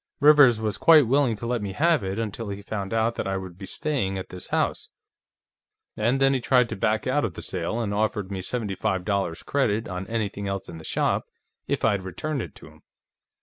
Rivers was quite willing to let me have it until he found out that I would be staying at this house, and then he tried to back out of the sale and offered me seventy five dollars' credit on anything else in the shop, if I'd return it to him.